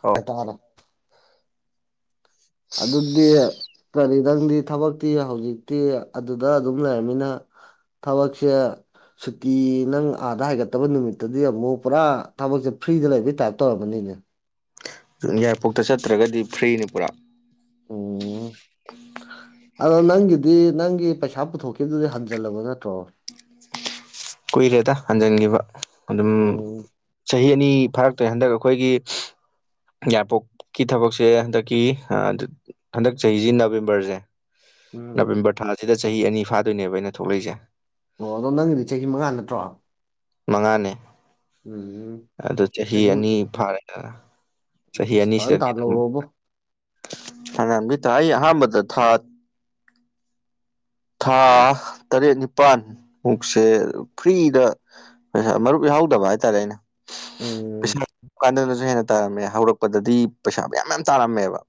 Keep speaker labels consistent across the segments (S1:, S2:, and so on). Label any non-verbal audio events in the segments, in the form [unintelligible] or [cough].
S1: ꯍꯣꯏ
S2: ꯄꯇꯥꯥꯅ ꯑꯗꯨꯗꯤ ꯀꯔꯤꯗꯪꯗꯤ ꯊꯕꯛꯇꯤ ꯍꯧꯖꯤꯛꯇꯤ ꯑꯗꯨꯗ ꯑꯗꯨꯝ ꯂꯩꯔꯕꯅꯤꯅ ꯊꯕꯛꯁꯦ ꯁꯨꯇꯤ ꯅꯪ ꯑꯥꯗ ꯍꯥꯏꯒꯠꯇꯕ ꯅꯨꯃꯤꯠꯇꯗꯤ ꯑꯃꯨꯛ ꯄꯨꯔꯥ ꯊꯕꯛꯁꯦ ꯐ꯭ꯔꯤꯗ ꯂꯩꯕꯩ ꯇꯥꯏꯞ ꯇꯧꯔꯝꯃꯅꯤꯅꯦ
S1: ꯌꯥꯏꯄꯣꯛꯇ ꯆꯠꯇ꯭ꯔꯒꯗꯤ ꯐ꯭ꯔꯤꯅꯤ ꯄꯨꯔꯥ
S2: ꯎꯝ
S1: [unintelligible]
S2: ꯑꯗꯣ ꯅꯪꯒꯤꯗꯤ ꯅꯪꯒꯤ ꯄꯩꯁꯥ ꯄꯨꯊꯣꯛꯈꯤꯕꯗꯨꯗꯤ ꯍꯟꯖꯜꯂꯕ ꯅꯠꯇ꯭ꯔꯣ
S1: ꯀꯨꯏꯔꯦꯗ ꯍꯟꯖꯤꯟꯈꯤꯕ ꯑꯗꯨꯝ
S2: ꯎꯝ
S1: ꯆꯍꯤ ꯑꯅꯤ ꯐꯥꯔꯛꯇꯣꯔꯦ ꯍꯟꯗꯛ ꯑꯩꯈꯣꯏꯒꯤ ꯏꯌꯥꯔꯄꯣꯛꯀꯤ ꯊꯕꯛꯁꯦ ꯍꯟꯗꯛꯀꯤ ꯍꯟꯗꯛ ꯆꯍꯤꯁꯤ ꯅꯕꯦꯝꯕꯔꯁꯦ
S2: ꯎꯝ
S1: ꯅꯕꯦꯝꯕꯔ ꯊꯥꯁꯤꯗ ꯆꯍꯤ ꯑꯅꯤ ꯐꯥꯗꯣꯏꯅꯦꯕ ꯑꯩꯅ ꯊꯣꯛꯂꯛꯏꯁꯦ
S2: ꯑꯣ ꯑꯗꯣ ꯅꯪꯒꯤꯗꯤ ꯆꯍꯤ ꯃꯉꯥ ꯅꯠꯇ꯭ꯔꯣ
S1: ꯃꯉꯥꯅꯦ
S2: ꯎꯝ
S1: ꯑꯗꯨ ꯆꯍꯤ ꯑꯅꯤ ꯐꯥꯔꯦꯗꯅ ꯆꯍꯤ
S2: ꯑꯁ ꯐꯖꯅ
S1: ꯑꯅꯤꯁꯤꯗꯗꯤ ꯑꯗꯨꯝ
S2: ꯇꯥꯜꯍꯧꯔꯣꯕꯣ
S1: ꯐꯅꯌꯥꯝꯗꯤ ꯊ ꯑꯩ ꯑꯍꯥꯟꯕꯗ ꯊꯥ ꯊꯥ ꯇꯔꯦꯠ ꯅꯤꯄꯥꯜ ꯃꯨꯛꯁꯦ ꯐ꯭ꯔꯤꯗ ꯄꯩꯁꯥ ꯃꯔꯨꯞ ꯌꯥꯎꯍꯧꯗꯕ ꯍꯥꯏꯇꯥꯔꯦ ꯑꯩꯅ ꯄꯩꯁꯥ
S2: ꯎꯝ
S1: ꯀꯥꯟꯗꯅꯁꯨ ꯍꯦꯟꯅ ꯇꯔꯝꯃꯦ ꯍꯧꯔꯛꯄꯗꯗꯤ ꯄꯩꯁꯥ ꯃꯌꯥꯝ ꯃꯌꯥꯝ ꯇꯥꯔꯝꯃꯦꯕ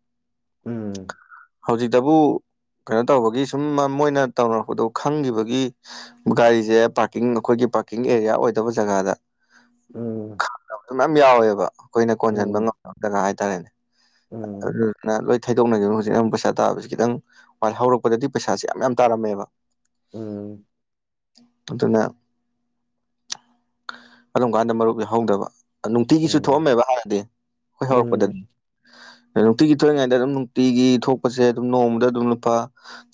S2: ꯎꯝ
S1: ꯍꯧꯖꯤꯛꯇꯕꯨ ꯀꯩꯅꯣ ꯇꯧꯕꯒꯤ ꯁꯨꯝ ꯃꯣꯏꯅ ꯇꯧꯅꯔꯛꯄꯗꯣ ꯈꯪꯈꯤꯕꯒꯤ ꯒꯥꯔꯤꯁꯦ ꯄꯥꯔꯀꯤꯡ ꯑꯩꯈꯣꯏꯒꯤ ꯄꯥꯔꯀꯤꯡ ꯑꯦꯔꯤꯌꯥ ꯑꯣꯏꯗꯕ ꯖꯒꯥꯗ
S2: ꯎꯝ
S1: ꯈ ꯃꯌꯥꯝ ꯌꯥꯎꯋꯦꯕ ꯑꯩꯈꯣꯏꯅ ꯀꯣꯟꯁꯤꯟꯕ
S2: ꯎꯝ
S1: ꯉꯝꯗꯕ ꯖꯒꯥ ꯍꯥꯏꯇꯥꯔꯦꯅꯦ
S2: ꯎꯝ
S1: ꯑꯗꯨꯗꯨꯅ ꯂꯣꯏ ꯊꯩꯗꯣꯛꯅꯈꯤꯕꯅ ꯍꯧꯖꯤꯛ ꯑꯃꯨꯛ ꯄꯩꯁꯥ ꯇꯥꯕꯁꯤ ꯈꯤꯇꯪ ꯍꯣꯏ ꯍꯧꯔꯛꯄꯗꯗꯤ ꯄꯩꯁꯥꯁꯦ ꯌꯥꯝ ꯃꯌꯥꯝ ꯇꯥꯔꯝꯃꯦꯕ
S2: ꯎꯝ
S1: ꯑꯗꯨꯅ ꯑꯗꯨꯝ ꯀꯥꯟꯗ ꯃꯔꯨꯞ ꯌꯥꯎꯍꯧꯗꯕ ꯅꯨꯡꯇꯤꯒꯤꯁꯨ
S2: ꯎꯝ
S1: ꯊꯣꯛꯑꯝꯃꯦꯕ ꯍꯥꯟꯅꯗꯤ ꯍꯣꯏ
S2: ꯎꯝ
S1: ꯍꯧꯔꯛꯄꯗ ꯅꯨꯡꯇꯤꯒꯤ ꯊꯣꯛꯏꯉꯩꯗ ꯑꯗꯨꯝ ꯅꯨꯡꯇꯤꯒꯤ ꯊꯣꯛꯄꯁꯦ ꯑꯗꯨꯝ ꯅꯣꯡꯃꯗ ꯑꯗꯨꯝ ꯂꯨꯄꯥ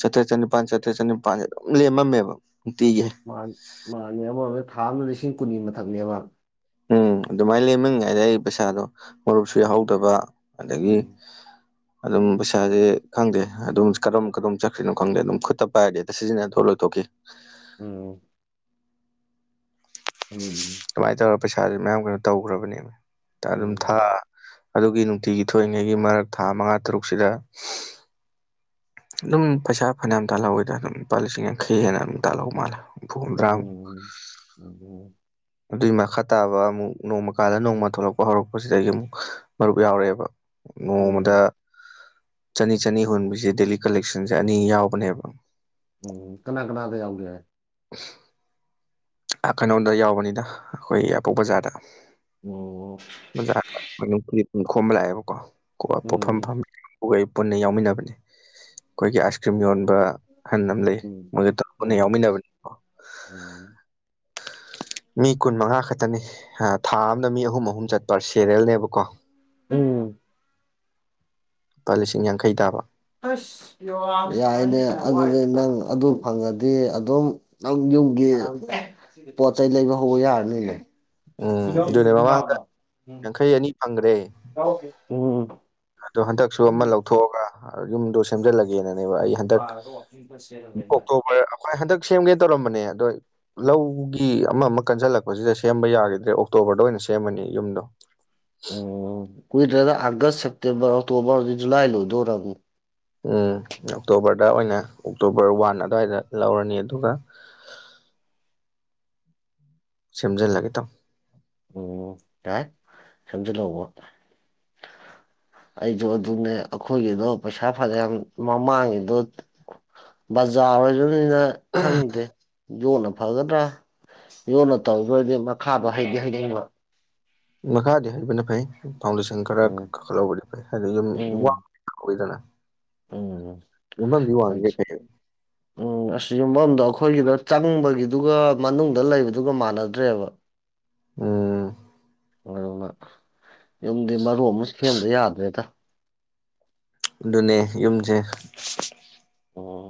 S1: ꯆꯥꯇ꯭ꯔꯠ ꯆꯅꯤ ꯂꯨꯄꯥꯥ ꯆꯇꯔꯦꯠ ꯆꯅꯤꯄꯥꯥꯟꯁꯦ ꯑꯗꯨꯝ ꯂꯦꯝꯃꯃꯦꯕ ꯅꯨꯡꯇꯤꯒꯤ
S2: ꯃꯥꯅ ꯃꯥꯅꯦ ꯑꯝꯔꯣꯝꯗ ꯊꯥ ꯑꯃꯗ ꯂꯤꯁꯤꯡ ꯀꯨꯟꯅꯤ ꯃꯊꯛꯅꯦꯕ
S1: ꯎꯝ ꯑꯗꯨꯃꯥꯏꯅ ꯂꯩꯦꯝꯉꯥꯏꯗ ꯑꯩ ꯄꯩꯁꯥꯗꯣ ꯃꯔꯨꯞꯁꯨ ꯌꯥꯎꯍꯧꯗꯕ ꯑꯗꯒꯤ
S2: ꯎꯝ
S1: ꯑꯗꯨꯝ ꯄꯩꯁꯥꯁꯦ ꯈꯪꯗꯦ ꯑꯗꯨꯝ ꯀꯔꯝ ꯀꯔꯣꯝ ꯆꯠꯈ꯭ꯔꯤꯅꯣ ꯈꯪꯗꯦ ꯑꯗꯨꯝ ꯈꯨꯠꯇ ꯄꯥꯏꯔꯗꯤ ꯍꯦꯛꯇ ꯁꯤꯖꯤꯟꯅ ꯊꯣꯛꯂꯛꯇ ꯇꯣꯈꯤ
S2: ꯎꯝ ꯎꯝ
S1: ꯑꯗꯨꯃꯥꯏꯅ ꯇꯧꯔꯒ ꯄꯩꯁꯥꯁꯦ ꯃꯌꯥꯝ ꯀꯩꯅꯣ ꯇꯧꯈ꯭ꯔꯕꯅꯦꯕ ꯑꯗꯨꯝ ꯊꯥ
S2: ꯎꯝ
S1: ꯑꯗꯨꯒꯤ ꯅꯨꯡꯇꯤꯒꯤ ꯊꯣꯛꯏꯉꯩꯒꯤ ꯃꯔꯛ ꯊꯥ ꯃꯉꯥ ꯇꯔꯨꯛꯁꯤꯗ ꯑꯗꯨꯝ ꯄꯩꯁꯥ ꯐꯅꯌꯥꯝ ꯇꯥꯜꯍꯧꯏꯗ ꯑꯗꯨꯝ ꯂꯨꯄꯥ ꯂꯤꯁꯤꯡ ꯌꯥꯡꯈꯩ ꯍꯦꯟꯅ ꯑꯗꯨꯝ ꯇꯥꯜꯍꯧ ꯃꯥꯜꯂꯦ ꯍꯨꯝꯐ ꯍꯨꯝꯗ꯭ꯔꯥꯃꯨꯛ
S2: ꯎꯝ [inaudible]
S1: ꯑꯗꯨꯏ ꯃꯈꯥ ꯇꯥꯕ ꯑꯃꯨꯛ ꯅꯣꯡꯃ ꯀꯥꯜꯂ ꯅꯣꯡꯃ ꯊꯣꯛꯂꯛꯄ ꯍꯧꯔꯛꯄꯁꯤꯗꯒꯤ ꯑꯃꯨꯛ ꯃꯔꯨꯞ ꯌꯥꯎꯔꯛꯑꯦꯕ ꯅꯣꯡꯃꯗ
S2: ꯎꯝ
S1: ꯆꯅꯤ ꯆꯅꯤ ꯍꯨꯟꯕꯤꯁꯦ ꯗꯦꯂꯤ ꯀꯂꯦꯛꯁꯟꯁꯦ ꯑꯅꯤ ꯌꯥꯎꯕꯅꯦꯕ
S2: ꯎꯝ ꯀꯅꯥ ꯀꯅꯥꯗ ꯌꯥꯎꯒꯦ
S1: [unintelligible] ꯑ ꯀꯩꯅꯣꯗ ꯌꯥꯎꯕꯅꯤꯅ ꯑꯩꯈꯣꯏ ꯌꯥꯏꯔꯤꯄꯣꯛ ꯕꯖꯥꯔꯗ
S2: ꯑꯣ ꯑꯣ
S1: ꯕꯖꯥꯔ [unintelligible] ꯈꯣꯝꯕ ꯂꯥꯛꯑꯦꯕꯀꯣ ꯀꯣ ꯄꯣꯠꯐꯝ
S2: ꯎꯝ
S1: ꯐꯝꯕꯤ ꯍꯣꯏ ꯄꯨꯟꯅ ꯌꯥꯎꯃꯤꯟꯅꯕꯅꯦ ꯑꯩꯈꯣꯏꯒꯤ ꯑꯥꯏꯁ ꯀ꯭ꯔꯤꯝ ꯌꯣꯟꯕ ꯑꯍꯟ ꯑꯝ ꯂꯩꯌꯦ
S2: ꯎꯝ
S1: ꯃꯣꯏꯗ ꯇꯞ ꯄꯨꯟꯅ
S2: ꯎꯝ
S1: ꯌꯥꯎꯃꯤꯟꯅꯕꯅꯦ
S2: [inaudible]
S1: ꯃꯤ ꯀꯨꯟ ꯃꯉꯥ ꯈꯛꯇꯅꯦ ꯍꯥ ꯊꯥ ꯑꯝꯗ ꯃꯤ ꯑꯍꯨꯝ ꯑꯍꯨꯝ ꯆꯠꯄ ꯁꯦꯔꯦꯜꯅꯦꯕꯀꯣ
S2: ꯎꯝ
S1: ꯂꯨꯄꯥ ꯂꯤꯁꯤꯡ ꯌꯥꯡꯈꯩ ꯇꯥꯕ
S2: ꯑꯁ ꯌꯥꯏꯅꯦ ꯑꯗꯨꯗꯤ ꯅꯪ ꯑꯗꯨ ꯐꯪꯉꯗꯤ ꯑꯗꯨꯝ ꯅꯪ ꯌꯨꯝꯒꯤ ꯄꯣꯠ ꯆꯩꯩ ꯂꯩꯕ ꯍꯧꯕ ꯌꯥꯔꯅꯤꯅꯦ
S1: ꯎꯝ ꯑꯗꯨꯅꯦ ꯃꯃꯥꯡꯗ ꯌꯥꯡꯈꯩ ꯑꯅꯤ ꯐꯪꯒ꯭ꯔꯦ
S2: ꯎꯝ ꯎꯝ
S1: ꯑꯗꯣ ꯍꯟꯗꯛꯁꯨ ꯑꯃꯥ ꯂꯧꯊꯣꯛꯑꯒ ꯌꯨꯝꯗꯣ ꯁꯦꯝꯖꯜꯂꯒꯦꯅꯅꯦꯕ ꯑꯩ ꯍꯟꯗꯛ
S2: [unintelligible]
S1: ꯍꯣꯏ ꯍꯟꯗꯛ ꯁꯦꯝꯒꯦ ꯇꯧꯔꯝꯕꯅꯦ ꯑꯗꯣ ꯂꯧꯒꯤ ꯑꯃꯃꯥ ꯀꯟꯖꯜꯂꯛꯄꯖꯤꯗ ꯁꯦꯝꯕ ꯌꯥꯒꯤꯗ꯭ꯔꯦ ꯑꯣꯛꯇꯣꯕꯔꯗ ꯑꯣꯏꯅ ꯁꯦꯝꯃꯅꯤ ꯌꯨꯝꯗꯣ
S2: ꯑꯣ ꯀꯨꯏꯗ꯭ꯔꯦꯗ ꯑꯥꯒꯁ ꯁꯦꯞꯇꯦꯝꯕꯔ ꯑꯣꯛꯇꯣꯕꯔ ꯍꯧꯖꯤꯛ ꯖꯨꯂꯥꯏ ꯂꯣꯏꯗꯣꯔꯝꯅꯤ
S1: ꯎꯝ ꯑꯣꯛꯇꯣꯕꯔꯗ ꯑꯣꯏꯅ ꯑꯣꯛꯇꯣꯕꯔ ꯋꯥꯟ ꯑꯗꯥꯏꯗ ꯂꯧꯔꯅꯤ ꯑꯗꯨꯒ ꯁꯦꯝꯖꯜꯂꯒꯦ ꯇꯧ
S2: ꯑꯣ ꯌꯥꯥꯏ ꯁꯦꯝꯖꯤꯜꯍꯧꯕ ꯑꯩꯖꯣ ꯑꯗꯨꯅꯦ ꯑꯈꯣꯏꯒꯤꯗꯣ ꯄꯩꯁꯥ ꯐꯅ꯭ꯌꯥꯝ ꯃꯃꯥꯡꯒꯤꯗꯣ ꯕꯖꯥꯔ ꯑꯣꯏꯗꯣꯏꯅꯤꯅ ꯈꯪꯗꯦ ꯌꯣꯠꯅ ꯐꯒꯗ꯭ꯔꯥ ꯌꯣꯠꯅ ꯇꯧꯗꯣꯏꯗꯤ ꯃꯈꯥꯗꯣ ꯍꯩꯗꯤ ꯍꯩꯅꯤꯡꯕ
S1: ꯃꯈꯥꯗꯤ ꯍꯩꯕꯅ ꯐꯩ ꯐꯥꯎꯟꯗꯦꯁꯟ ꯈꯔ
S2: ꯎꯝ
S1: ꯀꯥꯈꯠꯍꯧꯕꯗꯤ ꯐꯩ ꯍꯥꯏꯗꯤ ꯌꯨꯝ
S2: ꯎꯝ
S1: [unintelligible]
S2: ꯎꯝ
S1: ꯌꯨꯝꯕꯝꯗꯤ ꯋꯥꯡꯉꯤꯒꯩ ꯐꯩꯕ
S2: ꯎꯝ ꯑꯁ ꯌꯨꯝꯕꯝꯗꯣ ꯑꯈꯣꯏꯒꯤꯗꯣ ꯆꯪꯕꯒꯤꯗꯨꯒ ꯃꯅꯨꯡꯗ ꯂꯩꯕꯗꯨꯒ ꯃꯥꯟꯅꯗ꯭ꯔꯦꯕ
S1: ꯎꯝ
S2: ꯃꯗꯨꯃ ꯌꯨꯝꯗꯤ ꯃꯔꯣꯟꯃ ꯁꯦꯝꯗ ꯌꯥꯗ꯭ꯔꯦꯗ
S1: ꯑꯗꯨꯅꯦ ꯌꯨꯝꯖꯦ
S2: ꯑꯣ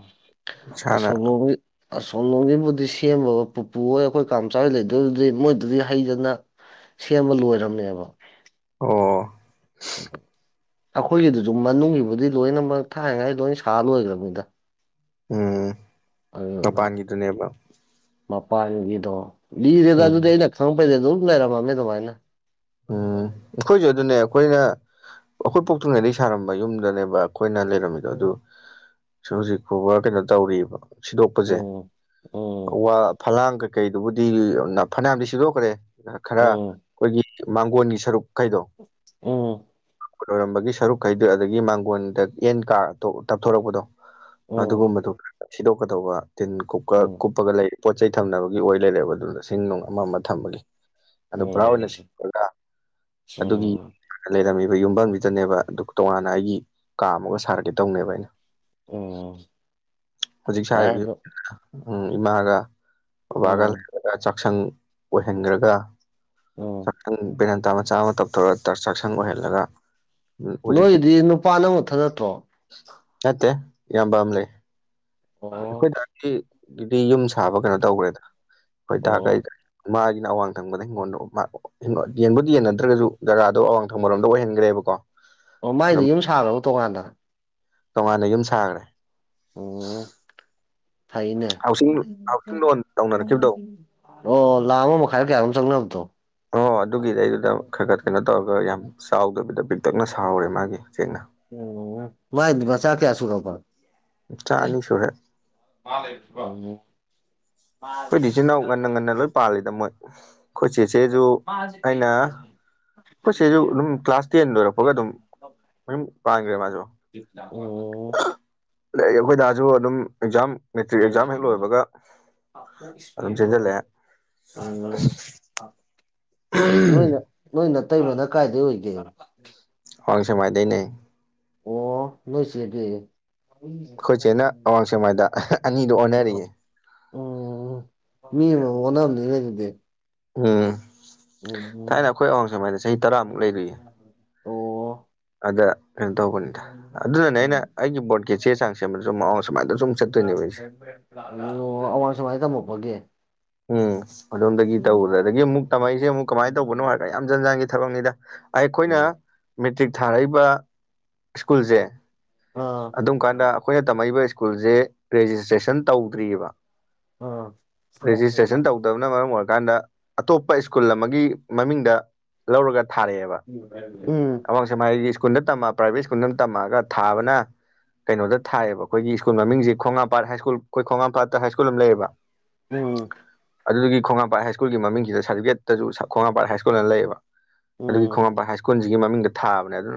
S2: ꯑꯁꯣꯝꯂꯣꯝꯒꯤ ꯑꯁꯣꯝꯂꯣꯝꯒꯤꯕꯨꯗꯤ ꯁꯦꯝꯃꯒ ꯄꯨꯄꯨ ꯍꯣꯏ ꯑꯈꯣꯏ ꯀꯥꯝꯆꯥ ꯍꯣꯏ ꯂꯩꯗꯣꯏꯗꯨꯗꯤ ꯃꯣꯏꯗꯨꯗꯤ ꯍꯩꯗꯅ ꯁꯦꯝꯕ ꯂꯣꯏꯔꯝꯅꯦꯕ
S1: ꯑꯣ ꯑꯣ [inaudible]
S2: ꯑꯈꯣꯏꯒꯤꯗꯨꯖꯨ ꯃꯅꯨꯡꯒꯤꯕꯨꯗꯤ ꯂꯣꯏꯅꯃꯛ ꯊꯥꯏꯅꯉꯥꯏ ꯂꯣꯏ ꯁꯥ ꯂꯣꯏꯒ꯭ꯔꯝꯅꯤꯗ
S1: ꯎꯝ
S2: ꯑꯗꯨꯗꯨꯅ
S1: ꯃꯄꯥꯟꯒꯤꯗꯨꯅꯦꯕ
S2: ꯃꯄꯥꯟꯒꯤꯗꯣ ꯂꯤꯔꯦꯗ
S1: ꯎꯝ
S2: ꯑꯗꯨꯗꯤ ꯑꯩꯅ ꯈꯪꯉꯛꯄꯗꯩ ꯑꯗꯨꯝ ꯂꯩꯔꯝꯃꯝꯅꯦ ꯑꯗꯨꯃꯥꯏꯅ
S1: ꯎꯝ ꯑꯩꯈꯣꯏꯖꯨ ꯑꯗꯨꯅꯦ ꯑꯈꯣꯏꯅ ꯑꯈꯣꯏ ꯄꯣꯛꯇ꯭ꯔꯤꯉꯩꯗꯩ ꯁꯥꯔꯝꯕ ꯌꯨꯝꯗꯅꯦꯕ ꯑꯈꯣꯏꯅ ꯂꯩꯔꯝꯃꯤꯗꯣ ꯑꯗꯨ ꯁꯤ ꯍꯨꯖꯤꯛ ꯐꯥꯎꯕ ꯀꯩꯅꯣ ꯇꯧꯔꯤꯕ ꯁꯤꯗꯣꯛꯄꯖꯦ
S2: ꯎꯝ ꯎꯝ
S1: ꯋꯥ ꯐꯂꯥꯡ ꯀꯩꯀꯩꯗꯨꯕꯨꯗꯤ ꯅꯥ ꯐꯅ꯭ꯌꯥꯝꯗꯤ ꯁꯤꯗꯣꯛꯈ꯭ꯔꯦ ꯅꯥ ꯈꯔ
S2: ꯎꯝ
S1: ꯈꯣꯏꯒꯤ ꯃꯥꯡꯒꯣꯟꯒꯤ ꯁꯔꯨꯛꯈꯩꯗꯣ
S2: ꯎꯝ
S1: ꯒꯣꯟ ꯑꯣꯏꯔꯝꯕꯒꯤ ꯁꯔꯨꯛꯈꯩꯗꯣ ꯑꯗꯒꯤ ꯃꯥꯡꯒꯣꯟꯗ ꯑꯦꯟ ꯀꯥꯔ ꯇꯣ ꯇꯞꯊꯣꯔꯛꯄꯗꯣ
S2: ꯎꯝ
S1: ꯑꯗꯨꯒꯨꯝꯕꯗꯣ ꯁꯤꯗꯣꯛꯀꯗꯧꯕ ꯇꯤꯟ ꯀꯨꯞꯀ
S2: ꯎꯝ
S1: ꯀꯨꯞꯄꯒ ꯂꯩ ꯄꯣꯠ ꯆꯩ ꯊꯝꯅꯕꯒꯤ ꯑꯣꯏ ꯂꯩꯔꯦꯕ ꯑꯗꯨꯗ ꯁꯤꯡ ꯅꯨꯡ ꯑꯃ ꯃ ꯊꯝꯕꯒꯤ ꯑꯗꯨ ꯄꯨꯔꯥ ꯑꯣꯏꯅ [unintelligible] ꯑꯗꯨꯒꯤ
S2: ꯎꯝ
S1: ꯂꯩꯔꯝꯃꯤꯕ ꯌꯨꯝꯕꯝꯖꯤꯗꯅꯦꯕ ꯑꯗꯨ ꯇꯣꯉꯥꯟꯅ ꯑꯩꯒꯤ ꯀꯥ ꯑꯃꯒ ꯁꯥꯔꯛꯀꯦ ꯇꯧꯅꯦꯕ ꯑꯩꯅ
S2: ꯎꯝ
S1: ꯍꯨꯖꯤꯛ
S2: ꯌꯥꯏ
S1: ꯁꯥꯔꯤꯕ ꯌꯨꯝ
S2: ꯑꯗꯣ
S1: [unintelligible] ꯎꯝ ꯏꯃꯥꯒ ꯑꯈꯣꯕꯥꯒ
S2: ꯎꯝ
S1: [unintelligible] ꯆꯥꯛ ꯁꯪ ꯑꯣꯏꯍꯟꯗ꯭ꯔꯒ
S2: ꯎꯝ
S1: [unintelligible] ꯕꯦꯔꯥꯟꯇꯥ ꯃꯆꯥ ꯑꯃ ꯇꯞꯊꯣꯔꯛꯇ꯭ꯔ ꯆꯥꯛꯁꯪ ꯑꯣꯏꯍꯜꯂꯒ ꯍꯧꯖꯤꯛꯀꯤ
S2: ꯅꯣꯏꯗꯤ ꯅꯨꯄꯥ ꯅꯪ ꯅꯊꯟ ꯅꯠꯇ꯭ꯔꯣ
S1: ꯅꯠꯇꯦ ꯏꯌꯥꯝꯕ ꯑꯝ ꯂꯩ
S2: ꯑꯣ
S1: ꯑꯈꯣꯏꯗꯥ ꯒꯤ [unintelligible] ꯕꯤ ꯌꯨꯝ ꯁꯥꯕ ꯀꯩꯅꯣ ꯇꯧꯒ꯭ꯔꯦꯗꯥ ꯈꯣꯏ ꯗꯥꯒ
S2: ꯑꯣ
S1: ꯑꯩꯒ ꯃꯥꯒꯤꯅ ꯑꯋꯥꯡ ꯊꯪꯕꯗ ꯍꯤꯡꯒꯣꯟꯗꯣ ꯃꯥ ꯍꯤꯡꯒꯣꯟ ꯌꯦꯟꯕꯨꯗꯤ ꯌꯦꯟꯅꯗ꯭ꯔꯒꯖꯨ ꯖꯒꯥꯗꯣ ꯑꯋꯥꯡ ꯊꯪꯕꯔꯣꯝꯗ ꯑꯣꯏꯍꯟꯒ꯭ꯔꯦꯕꯀꯣ
S2: ꯑꯣ ꯃꯥꯏꯗꯤ ꯌꯨꯝ ꯁꯥꯒ꯭ꯔꯕꯣ ꯇꯣꯉꯥꯟꯅ
S1: ꯇꯣꯉꯥꯟꯅ ꯌꯨꯝ ꯁꯥꯒ꯭ꯔꯦ
S2: ꯑꯣ ꯐꯩꯅꯦ
S1: ꯍꯥꯎꯁꯤꯡ ꯍꯥꯎꯁꯤꯡ ꯂꯣꯟ ꯇꯧꯅꯔꯛꯈꯤꯕꯗꯣ
S2: ꯑꯣ ꯂꯥꯛ ꯑꯃ ꯃ ꯈꯥꯏꯔ ꯀ꯭ꯌꯥ ꯅꯣꯝ ꯆꯪꯅꯕꯗꯣ [unintelligible]
S1: ꯑꯣ ꯑꯗꯨꯒꯤꯗꯩꯗꯨꯗ ꯈꯔ ꯈꯔ ꯀꯩꯅꯣ ꯇꯧꯔꯒ ꯌꯥꯝ ꯆꯥꯎꯗꯕꯤꯗ ꯄꯤꯛꯇꯛꯅ ꯁꯥꯍꯧꯔꯦ ꯃꯥꯒꯤ ꯆꯦꯡꯅ
S2: [inaudible] [unintelligible] ꯃꯥꯏꯗꯤ ꯃꯆꯥ ꯀꯈꯌꯥ ꯁꯨꯔꯕ
S1: ꯃꯆꯥ ꯑꯅꯤ ꯁꯨꯔꯦ
S2: ꯃꯥꯜꯂꯩ [unintelligible]
S1: ꯑꯈꯣꯏꯗꯤ ꯏꯆꯤꯜ ꯏꯅꯥꯎ ꯉꯟꯅ ꯉꯟꯅ ꯂꯣꯏ ꯄꯥꯜꯂꯤꯗ ꯃꯣꯏ ꯑꯩꯈꯣꯏꯆꯦꯆꯦꯖꯨ
S2: ꯃꯥ ꯖꯤ ꯀꯩꯅꯣ [unintelligible]
S1: ꯑꯩꯈꯣꯏ ꯆꯦꯁꯨ ꯑꯗꯨꯝ ꯀ꯭ꯂꯥꯁ ꯇꯦꯟ ꯂꯣꯏꯔꯛꯄꯒ ꯑꯗꯨꯝ ꯃꯌꯨꯝ ꯄꯥꯟꯒ꯭ꯔꯦ ꯃꯥꯖꯨ
S2: ꯑꯣ
S1: [unintelligible] ꯑꯩꯈꯣꯏ ꯗꯥꯁꯨ ꯑꯗꯨꯝ ꯑꯦꯛꯖꯥꯝ
S2: [unintelligible]
S1: ꯃꯦꯇ꯭ꯔꯤꯛ ꯑꯦꯛꯖꯥꯝ ꯍꯦꯛ ꯂꯣꯏꯕꯒ ꯑꯗꯨꯝ ꯆꯦꯟꯁꯤꯜꯂꯛꯑꯦ
S2: ꯅꯣꯏꯅ ꯅꯣꯏ ꯅꯇꯩꯃꯅ ꯀꯥꯏꯗꯩ ꯑꯣꯏꯒꯦ
S1: ꯑꯋꯥꯛ ꯁꯦꯛꯃꯥꯏꯗꯩꯅꯦ
S2: ꯑꯣ ꯅꯣꯏꯆꯦꯗꯤ
S1: ꯑꯈꯣꯏꯆꯦꯅ ꯑꯋꯥꯡ ꯁꯦꯛꯃꯥꯏꯗ [unintelligible] ꯑꯅꯤꯗꯨ ꯑꯣꯟꯅꯔꯤꯌꯦ
S2: ꯎꯝ ꯃꯤ ꯑꯃꯃꯝ ꯑꯣꯅꯥꯕꯅꯤꯅꯦ ꯑꯗꯨꯗꯤ
S1: ꯎꯝ ꯊꯥꯏꯅ
S2: ꯎꯝ
S1: ꯑꯈꯣꯏ ꯑꯋꯥꯡ ꯁꯦꯛꯃꯥꯏꯅ ꯆꯍꯤ ꯇꯔꯥꯃꯨꯛ ꯂꯩꯔꯨꯢꯌꯦ
S2: ꯑꯣ
S1: ꯑꯗ ꯀꯩꯅꯣ ꯇꯧꯕꯅꯤꯗ ꯑꯗꯨꯅꯅꯦ ꯑꯩꯅ
S2: ꯎꯝ
S1: ꯑꯩꯒꯤ ꯕꯣꯕꯠꯀꯤ ꯆꯦ ꯆꯥꯡ ꯁꯦꯝꯕꯗꯁꯨ [unintelligible] ꯁꯦꯛꯃꯥꯏꯗ ꯁꯨꯝ ꯆꯠꯇꯣꯏꯅꯦꯕ ꯑꯩꯁꯦ
S2: [unintelligible] ꯑꯋꯥꯡ ꯁꯦꯛꯃꯥꯏ ꯇꯝꯃꯛꯄꯒꯤ
S1: ꯎꯝ ꯑꯗꯣꯝꯗꯒꯤ
S2: ꯎꯝ
S1: ꯇꯧꯕꯗ ꯑꯗꯒꯤ ꯑꯃꯨꯛ ꯇꯥꯃꯛꯏꯁꯦ ꯑꯃꯨꯛ ꯀꯃꯥꯏꯅ ꯇꯧꯕꯅꯣ ꯍꯥꯏꯔ ꯌꯥꯝ ꯖꯟ ꯖꯥꯟꯒꯤ ꯊꯕꯛꯅꯤꯗ ꯑꯩꯈꯣꯏꯅ
S2: ꯎꯝ
S1: ꯃꯦꯇ꯭ꯔꯤꯛ ꯊꯥꯔꯛꯏꯕ ꯁ꯭ꯀꯨꯜꯖꯦ
S2: ꯑꯥ
S1: ꯑꯗꯨꯝ ꯀꯥꯟꯗ ꯑꯈꯣꯏꯅ ꯇꯝꯃꯛꯏꯕ ꯁ꯭ꯀꯨꯜꯖꯦ ꯔꯦꯖꯤꯁꯇ꯭ꯔꯦꯁꯟ ꯇꯧꯗ꯭ꯔꯤꯑꯦꯕ
S2: [unintelligible]
S1: ꯔꯦꯖꯤꯁꯇ꯭ꯔꯦꯁꯟ ꯇꯧꯗꯕꯅ ꯃꯔꯝ ꯑꯣꯏꯔꯀꯥꯟꯗ ꯑꯇꯣꯞꯄ ꯁ꯭ꯀꯨꯜ ꯑꯃꯒꯤ ꯃꯃꯤꯡꯗ ꯂꯧꯔꯒ ꯊꯥꯔꯛꯑꯦꯕ
S2: ꯎꯝ ꯎꯝ ꯎꯝ
S1: ꯑꯋꯥꯡ ꯁꯦꯛꯃꯥꯢꯒꯤ ꯁ꯭ꯀꯨꯜꯗ ꯇꯝꯃ ꯄ꯭ꯔꯥꯏꯚꯦꯠ ꯁ꯭ꯀꯨꯜꯗ ꯇꯝꯃꯛꯑꯒ ꯊꯥꯕꯅ ꯀꯩꯅꯣꯗ ꯊꯥꯏꯌꯦꯕ ꯑꯈꯣꯏꯒꯤ ꯁ꯭ꯀꯨꯜ ꯃꯃꯤꯡꯖꯤ ꯈꯣꯡꯉꯥꯝꯄꯥꯠ ꯍꯥꯏꯁ꯭ꯀꯨꯜ ꯈꯣꯢ ꯈꯣꯡꯉꯥꯝꯄꯥꯠꯇ ꯍꯥꯏ꯭ꯀꯨꯜ ꯑꯃ ꯂꯩꯌꯦꯕ
S2: ꯎꯝ
S1: ꯑꯗꯨꯗꯒꯤ ꯈꯣꯡꯉꯥꯄꯥꯠ ꯍꯥꯏ ꯁ꯭ꯀꯨꯜꯒꯤ ꯃꯃꯤꯡꯁꯤꯗ ꯁꯥꯔꯇꯤꯐꯤꯀꯦꯠꯇꯁꯨ ꯈꯣꯡꯉꯥꯝꯄꯥꯠ ꯍꯥꯢ ꯁ꯭ꯀꯨꯜꯅ ꯂꯩꯌꯦꯕ ꯑꯗꯨꯒꯤ
S2: ꯎꯝ
S1: ꯈꯣꯡꯉꯥꯝꯄꯥ ꯍꯥꯏ ꯁ꯭ꯀꯨꯜꯖꯤꯒꯤ ꯃꯃꯤꯡꯗ ꯊꯥꯕꯅꯦ ꯑꯗꯨ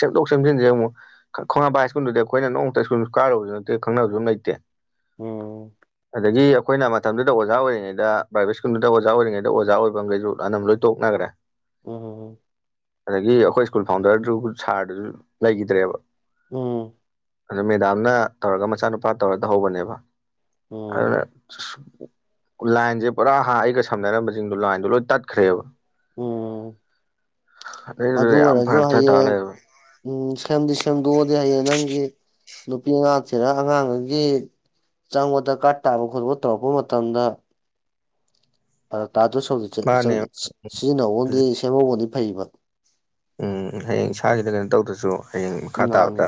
S1: ꯁꯦꯝꯗꯣꯛ ꯁꯦꯝꯖꯤꯟꯖꯤ ꯑꯃꯨꯛ ꯈꯣꯡꯉꯥꯝꯄꯥꯠ ꯍꯥꯏ ꯁ꯭ꯀꯨꯜꯗꯨꯗꯤ ꯑꯩꯈꯣꯏꯅ ꯅꯣꯡꯇ ꯁꯀꯨꯜ ꯀꯥꯔꯨꯕꯁꯨ ꯅꯠꯇꯦ ꯈꯪꯅꯕꯁꯨ ꯑꯝ ꯂꯩꯇꯦ
S2: ꯎꯝ
S1: ꯑꯗꯒꯤ ꯑꯈꯣꯏꯅ ꯃꯇꯝꯗꯨꯗ ꯑꯣꯖꯥ ꯑꯣꯏꯔꯤꯉꯩꯗ ꯄ꯭ꯔꯥꯏꯚꯦꯠ ꯁ꯭ꯀꯨꯜꯗꯨꯗ ꯑꯣꯖꯥ ꯑꯣꯏꯔꯤꯉꯩꯗ ꯑꯣꯖꯥ ꯑꯣꯏꯕ ꯑꯃꯈꯩꯁꯨ ꯑꯅꯝꯖ ꯂꯣꯏ ꯇꯣꯛꯅꯒ꯭ꯔꯦ
S2: ꯑꯣ ꯍꯣ ꯍꯣ
S1: ꯑꯗꯒꯤ ꯑꯩꯈꯣꯏ ꯁ꯭ꯀꯨꯜ ꯐꯥꯎꯟꯗꯔꯗꯨ ꯁꯥꯔꯗꯨꯁꯨ ꯂꯩꯒꯤꯗ꯭ꯔꯦꯕ
S2: ꯎꯝ ꯎꯝ
S1: ꯑꯗꯨ ꯃꯦꯗꯥꯝꯅ ꯇꯧꯔꯒ ꯃꯆꯥꯅꯨꯄꯥ ꯇꯧꯔ ꯇꯧꯍꯧꯕꯅꯦꯕ ꯑꯗꯨꯅ
S2: ꯎꯝ
S1: ꯂꯥꯏꯟꯁꯦ ꯄꯨꯔꯥ ꯍꯥ ꯑꯩꯒ ꯁꯝꯅꯔꯝꯕꯁꯤꯡꯗꯣ ꯂꯥꯏꯟꯗꯣ ꯂꯣꯏ ꯇꯠꯈ꯭ꯔꯦꯕ
S2: ꯎꯝ ꯑꯗꯨ
S1: [unintelligible] ꯌꯥꯝ
S2: ꯑꯣꯏꯔꯁꯨ
S1: ꯐꯔꯛ ꯇꯥ
S2: ꯍꯌꯦꯡ
S1: ꯂꯩꯔꯕ
S2: ꯎꯝ ꯁꯦꯝꯗꯤ ꯁꯦꯝꯗꯣꯛꯑꯗꯤ ꯍꯌꯦꯡ ꯅꯪꯒꯤ ꯅꯨꯄꯤ ꯑꯉꯥꯡ ꯊꯤꯔ ꯑꯉꯥꯡꯒꯩꯒꯤ ꯆꯪꯕ ꯗꯔꯀꯥꯔ ꯇꯥꯕ ꯈꯣꯠꯄ ꯇꯧꯔꯛꯄ ꯃꯇꯝꯗ
S1: ꯃꯥꯅꯦ
S2: [unintelligible] ꯁꯤꯖꯤꯟꯅꯧꯕꯗꯤ ꯁꯦꯝꯍꯧꯕꯅꯗꯤ ꯐꯩꯌꯦꯕ
S1: ꯎꯝ ꯍꯌꯦꯡ ꯏꯁꯥꯒꯤꯗ ꯀꯩꯅꯣ ꯇꯧꯗ꯭ꯔꯁꯨ ꯍꯌꯦꯡ ꯃꯈꯥ
S2: ꯅꯍꯥꯟ
S1: ꯇꯥꯕꯗ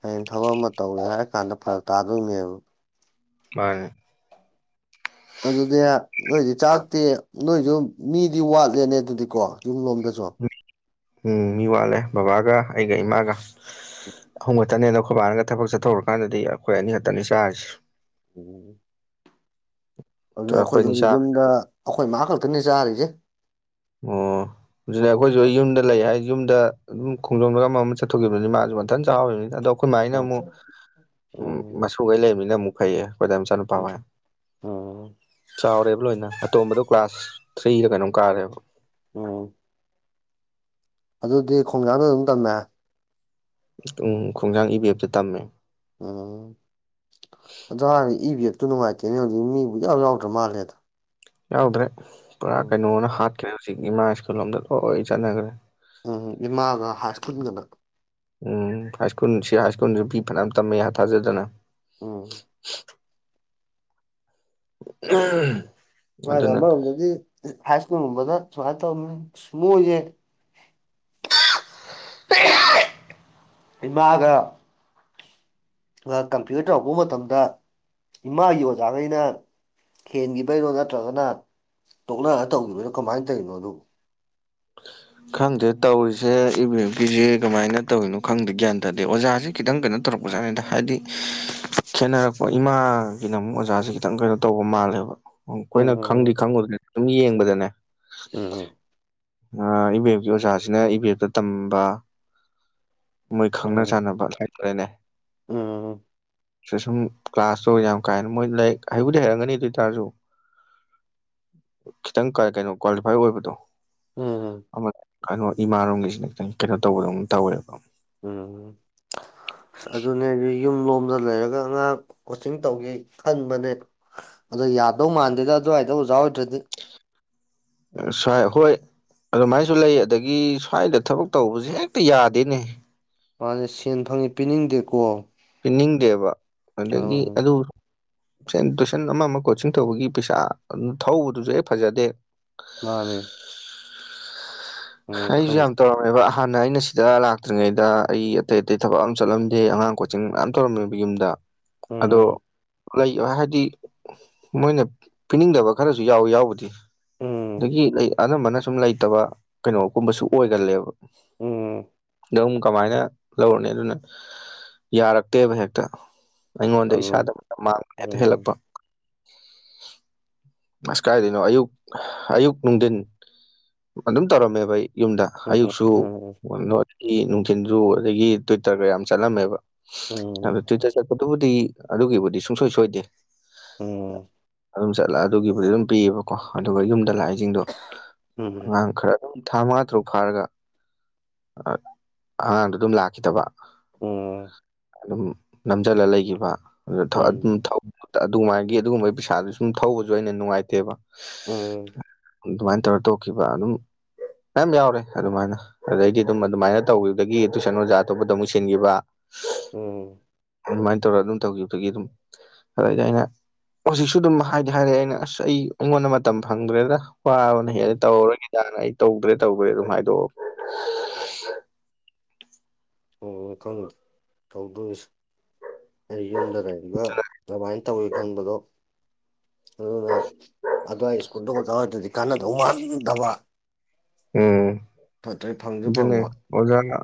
S2: ꯍꯌꯦꯡ ꯊꯕꯛ ꯑꯃ ꯇꯧꯒꯦ ꯍꯥꯏꯔ ꯀꯥꯟꯗ ꯐꯔꯛ ꯇꯥꯗꯣꯏꯅꯦꯕ
S1: ꯃꯥꯅꯤ
S2: ꯑꯗꯨꯗꯤ ꯅꯣꯏꯗꯤ ꯆꯥꯛꯇꯤ ꯅꯣꯏꯁꯨ ꯃꯤꯗꯤ ꯋꯥꯠꯂꯦꯅꯦ ꯑꯗꯨꯗꯤꯀꯣ ꯌꯨꯝ ꯂꯣꯝꯗꯁꯨ
S1: ꯎꯝ ꯃꯤ ꯋꯥꯠꯂꯦ ꯕꯕꯥꯒ ꯑꯩꯒ ꯏꯃꯥꯒ [unintelligible] ꯈꯇꯅꯦꯅ ꯈꯣꯏꯕꯥꯅꯒ ꯊꯕꯛ ꯆꯠꯊꯣꯔ ꯀꯥꯟꯗꯗꯤ ꯑꯩꯈꯣꯏ ꯑꯅꯤ ꯈꯛꯇꯅꯤ ꯆꯥꯔꯤꯁꯤ
S2: ꯎꯝ ꯑꯗꯨꯅꯦ
S1: ꯑꯩꯈꯣꯏ
S2: ꯑꯈꯣꯏꯁꯨ ꯍꯧꯖꯤꯛ
S1: ꯅꯤꯁꯥ
S2: ꯌꯨꯝꯗ ꯑꯈꯣꯏ ꯃꯥ ꯈꯛꯇꯅꯤ ꯆꯥꯔꯤꯁꯦ
S1: ꯑꯣ ꯑꯗꯨ [unintelligible] ꯑꯩꯈꯣꯏꯁꯨ ꯑꯩ ꯌꯨꯝꯗ ꯂꯩ ꯍꯥꯏ ꯌꯨꯝꯗ ꯑꯗꯨꯝ ꯈꯣꯡꯖꯣꯝꯗꯒ ꯑꯃ ꯑꯃ ꯆꯠꯊꯣꯛꯈꯤꯕꯁꯤ ꯃꯥꯁꯨ ꯃꯊꯟ ꯆꯥꯎꯍꯧꯔꯤꯅꯤ ꯑꯗꯣ ꯑꯈꯣꯏꯃꯥꯏꯅ
S2: ꯎꯝ
S1: ꯑꯃꯨꯛ
S2: ꯎꯝ
S1: ꯃꯁꯨꯨꯈꯩ ꯂꯩꯕꯅꯤꯅ ꯑꯃꯨꯛ ꯐꯩꯌꯦ ꯑꯈꯣꯢ ꯗꯥꯢ ꯃꯆꯥ ꯅ ꯄꯥꯎ ꯋꯦ
S2: ꯎꯝ
S1: ꯆꯥꯎꯔꯦꯕ ꯂꯣꯏꯅ ꯑꯇꯣꯝꯕꯗꯣ ꯀ꯭ꯂꯥꯁ ꯊ꯭ꯔꯤꯔ ꯀꯩꯅꯣꯝ ꯀꯥꯔꯦꯕ
S2: ꯎꯝ ꯑꯗꯨꯗꯤ ꯈꯣꯡꯖꯥꯗ ꯑꯗꯨꯝ ꯇꯝꯃꯦ
S1: ꯎꯝ ꯈꯣꯡꯖꯥꯡ ꯏꯕꯤ ꯑꯦꯞꯇ ꯇꯝꯃꯦ
S2: ꯎꯝ ꯑꯗꯨ ꯍꯥꯏꯔꯒ ꯏ ꯕꯤ ꯑꯦꯐ ꯇꯣ ꯅꯨꯡꯉꯥꯏꯇꯦꯅꯦ ꯍꯧꯖꯤꯛ ꯃꯤꯕꯨ ꯏꯌꯥꯎ ꯌꯥꯎꯗ꯭ꯔ ꯃꯥꯜꯂꯦꯗ
S1: ꯌꯥꯎꯗꯔꯦ ꯄꯨꯔꯥ
S2: ꯎꯝ
S1: ꯀꯩꯅꯣꯅ ꯍꯥꯠꯈ꯭ꯔꯦ ꯍꯧꯖꯤꯛ ꯏꯃꯥ ꯁ꯭ꯀꯨꯜ ꯂꯣꯝꯗ ꯂꯣꯏ ꯆꯠꯅꯒ꯭ꯔꯦ
S2: ꯎꯝ ꯏꯃꯥꯒ ꯍꯥꯏ ꯁ꯭ꯀꯨꯜꯒꯅ
S1: ꯎꯝ ꯍꯥꯏ ꯁ꯭ꯀꯨꯜ ꯁꯤ ꯍꯥꯏ ꯁ꯭ꯀꯨꯜꯖꯨ ꯄꯤ ꯐꯅꯌꯥꯝ ꯇꯝꯃꯦ ꯊꯥꯖꯗꯅ
S2: ꯎꯝ
S1: [unintelligible]
S2: ꯁ꯭ꯋꯥꯏꯗ
S1: ꯑꯗꯨꯅ
S2: ꯑꯃꯔꯣꯝꯗꯗꯤ ꯍꯥꯏ ꯁ꯭ꯀꯨꯜꯒꯨꯝꯕꯗ ꯁꯨꯃꯥꯏ ꯇꯧꯅꯤ ꯃꯣꯏꯖꯦ ꯏꯃꯥꯒ ꯂ ꯀꯝꯄ꯭ꯌꯨꯠ ꯇꯧꯔꯛꯄ ꯃꯇꯝꯗ ꯏꯃꯥꯒꯤ ꯑꯣꯖꯥꯒꯩꯅ ꯍꯦꯟꯒꯤꯕꯩꯔꯣ ꯅꯠꯇ꯭ꯔꯒꯅ ꯇꯣꯛꯅꯔ ꯇꯧꯒꯤꯕ꯭ꯔꯣ ꯀꯃꯥꯏꯟ ꯇꯧꯏꯅꯣ ꯑꯗꯨꯕꯣ
S1: ꯈꯪꯗꯦ ꯇꯧꯔꯤꯖꯦ ꯏ ꯚꯤ ꯑꯦꯝ ꯀꯤꯖꯦ ꯀꯃꯥꯏꯅ ꯇꯧꯌꯤꯅꯣ ꯈꯪꯗꯦ ꯒ꯭ꯌꯥꯟ ꯇꯥꯗꯦ ꯑꯣꯖꯥꯖꯤ ꯈꯤꯇꯪ ꯀꯩꯅꯣ ꯇꯧꯔꯛꯄꯖꯥꯠꯅꯤꯗ ꯍꯥꯏꯗꯤ ꯈꯦꯠꯅꯔꯛꯄ ꯏꯃꯥꯒꯤꯅ ꯑꯃꯨꯛ ꯑꯣꯖꯥꯖꯦ ꯈꯤꯇꯪ ꯀꯩꯅꯣ ꯇꯧꯕ ꯃꯥꯜꯂꯦꯕ ꯎꯝ ꯈꯣꯏꯅ ꯈꯪꯗꯤ ꯈꯪꯉꯨꯗꯅ ꯑꯗꯨꯝ ꯌꯦꯡꯕꯗꯅꯦ
S2: ꯑ ꯑꯝ
S1: ꯑꯥ ꯏ ꯕꯤ ꯑꯦꯞ ꯀꯤ ꯑꯣꯖꯥꯖꯤꯅ ꯏ ꯕꯤ ꯑꯦꯞꯇ ꯇꯝꯕ ꯃꯣꯢ ꯈꯪꯅ ꯆꯥꯟꯅꯕ ꯂꯩꯇ꯭ꯔꯦꯅꯦ
S2: ꯎꯝ ꯎꯝ
S1: ꯁ ꯁꯨꯝ ꯀ꯭ꯂꯥꯁꯇꯣ ꯌꯥꯝ ꯀꯥꯍꯦꯟꯅ ꯃꯣꯢ ꯂꯥꯏꯤꯛ ꯍꯩꯕꯨꯗꯤ ꯍꯩꯔꯝꯒꯅꯤ ꯑꯗꯨꯢ ꯇꯥꯥꯔꯖꯨ ꯈꯤꯇꯪ ꯀ ꯀꯩꯅꯣ ꯀ꯭ꯋꯥꯂꯤꯐꯥꯏ ꯑꯣꯢꯕꯗꯣ
S2: ꯎꯝ
S1: ꯑꯃ ꯀꯅꯣ ꯏꯃꯥꯔꯣꯝꯒꯤꯖꯤꯅ ꯈꯤꯇꯪ ꯀꯩꯅꯣ ꯇꯧꯕꯗꯧꯅ ꯇꯧꯋꯦꯕ
S2: ꯁ ꯑꯗꯨꯅꯦ ꯌꯨꯝ ꯂꯣꯝꯗ ꯂꯩꯔꯒ ꯑꯉꯥꯡ ꯀꯣꯆꯤꯡ ꯇꯧꯒꯦ ꯈꯟꯕꯅꯦ ꯑꯗꯣ ꯌꯥꯗꯧ ꯃꯥꯟꯗꯦꯗ ꯑꯗꯨꯋꯥꯢꯗ ꯑꯣꯖꯥ ꯑꯣꯢꯗ꯭ꯔꯗꯤ
S1: ꯁ꯭ꯋꯥꯢ ꯍꯣꯢ ꯑꯗꯨꯃꯥꯢꯖꯨ ꯂꯩ ꯑꯗꯒꯤ ꯁ꯭ꯋꯥꯢꯗ ꯊꯕꯛ ꯇꯧꯕꯖꯦ ꯍꯦꯛꯇ ꯌꯥꯗꯦꯅꯦ
S2: ꯃꯥꯟꯅꯦ ꯁꯦꯟ ꯐꯪꯉꯤ ꯄꯤꯅꯤꯡꯗꯦꯀꯣ
S1: ꯄꯤꯅꯤꯡꯗꯦꯕ
S2: ꯑ
S1: ꯑꯗꯒꯤ ꯑꯗꯨ ꯁꯟ ꯇꯨꯢꯁꯟ ꯑꯃ ꯃ ꯀꯣꯆꯤꯡ ꯇꯧꯕꯒꯤ ꯄꯩꯁꯥ ꯊꯧꯕꯗꯨꯖꯨ ꯍꯦꯛ ꯐꯖꯗꯦ
S2: ꯃꯥꯅꯦ ꯎꯝ
S1: ꯑꯩꯖꯨ
S2: ꯈꯪꯗꯦ
S1: ꯌꯥꯝ ꯇꯧꯔꯝꯃꯦꯕ ꯍꯥꯟꯅ ꯑꯩꯅ ꯁꯤꯗ ꯂꯥꯛꯇ꯭ꯔꯤꯉꯩꯗ ꯑꯩ ꯑꯇꯩ ꯑꯇꯩ ꯊꯕꯛ ꯑꯃ ꯆꯠꯂꯝꯗꯦ ꯑꯉꯥꯡ ꯀꯣꯆꯤꯡ ꯃꯌꯥꯝ ꯇꯧꯔꯝꯃꯦꯕ ꯌꯨꯝꯗ ꯑꯗꯣ
S2: ꯎꯝ
S1: ꯂꯩ ꯍꯥꯢꯗꯤ ꯃꯣꯢꯅ ꯄꯤꯅꯤꯡꯗꯕ ꯈꯔꯖꯨ ꯌꯥꯎꯋꯤ ꯌꯥꯎꯕꯨꯗꯤ
S2: ꯎꯝ ꯎꯝ
S1: ꯑꯗꯒꯤ ꯂꯩ ꯑꯅꯝꯕꯅ ꯁꯨꯝ ꯂꯩꯇꯕ ꯀꯩꯅꯣꯒꯨꯝꯕꯁꯨ ꯑꯣꯢꯒꯜꯂꯦꯕ
S2: ꯎꯝ
S1: ꯑꯗ ꯑꯃꯨꯛ ꯀꯃꯥꯢꯅ ꯂꯧꯔꯅꯤ ꯑꯗꯨꯅ ꯌꯥꯔꯛꯇꯦꯕ ꯍꯦꯛꯇ ꯑꯩꯉꯣꯟꯗ ꯏꯁꯥꯗ
S2: ꯎꯝ
S1: ꯃꯥꯛ ꯍꯦꯇ
S2: ꯎꯝ
S1: ꯍꯦꯜꯂꯛꯄ ꯑꯁ ꯀꯥꯢꯗꯩꯅꯣ ꯑꯌꯨꯛ ꯑꯌꯨꯛ ꯅꯨꯡꯗꯤꯟ ꯑꯗꯨꯝ
S2: ꯎꯝ ꯎꯝ ꯎꯝ ꯎꯝ ꯎꯝ
S1: [unintelligible] ꯒꯤ ꯅꯨꯡꯊꯤꯟꯖꯨ ꯑꯗꯒꯤ ꯇꯨꯢꯇꯔꯒ ꯌꯥꯝ ꯆꯠꯂꯝꯃꯦꯕ ꯑꯗꯨ ꯇꯨꯢꯇꯔ ꯆꯠꯄꯗꯨꯕꯨꯗꯤ ꯑꯗꯨꯒꯤꯕꯨꯗꯤ ꯁꯨꯡꯁꯣꯢ ꯁꯣꯢꯗꯦ ꯑꯗꯨꯝ ꯆꯠꯂ ꯑꯗꯨꯒꯤꯕꯨꯗꯤ ꯑꯗꯨꯝ ꯄꯤꯌꯦꯕꯀꯣ ꯑꯗꯨꯒ ꯌꯨꯝꯗ ꯂꯥꯛꯏꯖꯤꯡꯗꯣ
S2: ꯎꯝ
S1: ꯑꯉꯥꯡ ꯈꯔ ꯗꯨꯝ ꯊꯥ ꯃꯉꯥ ꯇꯔꯨꯛ ꯐꯥꯔꯒ ꯑ ꯑꯉꯥꯡꯗꯣ ꯑꯗꯨꯝ ꯂꯥꯛꯈꯤꯗꯕ ꯑꯗꯨꯝ ꯅꯝꯖꯜꯂ ꯂꯩꯒꯤꯕꯥ ꯑꯗꯨꯗ ꯊꯧ ꯑꯗꯨꯝ
S2: ꯎꯝ
S1: ꯊꯧ ꯑꯗꯨꯃꯥꯢꯒꯤ ꯑꯗꯨꯒꯨꯝꯕꯩ ꯄꯩꯁꯥꯗꯨ ꯁꯨꯝ ꯊꯧꯕꯖꯨ ꯑꯩꯅ ꯅꯨꯡꯉꯥꯢꯇꯦꯕ
S2: ꯎꯝ
S1: ꯑꯗꯨꯃꯥꯢꯅ ꯇꯧꯔ ꯇꯣꯛꯈꯤꯕ ꯑꯗꯨꯝ ꯃꯌꯥꯝ ꯌꯥꯎꯔꯦ ꯑꯗꯨꯃꯥꯢꯅ ꯑꯗꯩꯗꯤ ꯑꯗꯨꯝ ꯑꯗꯨꯃꯥꯢꯅ ꯇꯧꯈꯤꯕꯗꯒꯤ ꯇꯨꯢꯁꯟ ꯑꯣꯖꯥ ꯑꯇꯣꯞꯄꯗ ꯑꯃꯨꯛ ꯁꯤꯟꯈꯤꯕ
S2: ꯎꯝ
S1: ꯑꯗꯨꯃꯥꯢꯅ ꯇꯧꯔꯒ ꯑꯗꯨꯝ ꯇꯧꯈ꯫ꯇꯧꯒꯤꯕꯈꯤꯕꯒꯤ ꯑꯗꯨꯝ ꯑꯗꯨꯗꯩꯗꯤ ꯑꯩꯅ ꯍꯧꯖꯤꯛꯁꯨ ꯑꯗꯨꯝ ꯍꯥꯢꯗꯤ ꯍꯥꯢꯔꯦ ꯑꯩꯅ ꯑꯁ ꯑꯩ ꯑꯩꯉꯣꯟꯗ ꯃꯇꯝ ꯐꯪꯗ꯭ꯔꯦꯗ ꯋꯥꯥꯕꯅ ꯍꯦꯜꯂꯦ
S2: ꯎꯝ
S1: ꯇꯧꯔꯔꯣꯢꯒꯦꯗꯥꯅ ꯑꯩ ꯇꯧꯗ꯭ꯔꯦ ꯇꯧꯗ꯭ꯔꯦ ꯑꯗꯨꯝ ꯍꯥꯢꯗꯣꯛꯑꯕ
S2: ꯑꯣ ꯈꯪꯗ꯭ꯔꯦ ꯇꯧꯗꯣꯔꯤꯁꯦ ꯑꯩ ꯌꯨꯝꯗ ꯂꯩꯕꯒ ꯑꯗꯨꯃꯥꯢꯅ ꯇꯧꯒꯦ ꯈꯪꯕꯗꯣ ꯑꯗꯨꯅ ꯑꯗꯨꯋꯥꯢ ꯁ꯭ꯀꯨꯜꯗ ꯑꯣꯖꯥ ꯑꯣꯏꯗꯗꯤ ꯀꯥꯟꯅꯗꯧ ꯃꯥꯟꯗꯕ
S1: ꯎꯝ
S2: ꯅꯠꯇ꯭ꯔꯗꯤ ꯐꯪꯁꯨ
S1: ꯑꯗꯨꯅꯦ
S2: ꯐꯪꯉꯣꯏ
S1: ꯑꯣꯖꯥꯅ